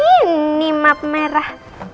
ini map merah